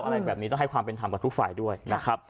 อะไรแบบนี้ต้องให้ความเป็นธรรมกับทุกฝ่ายด้วยนะครับ